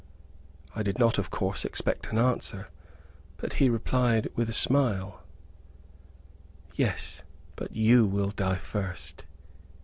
I did not, of course, expect an answer, but he replied, with a smile, "Yes; but you will die first."